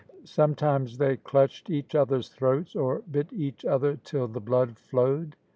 Sometimes they clutched each other's throats, or bit each other till the blood flowed.